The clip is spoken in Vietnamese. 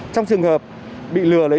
trong trường hợp bị lừa lấy